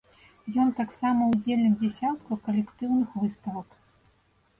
Ён таксама ўдзельнік дзясяткаў калектыўных выставак.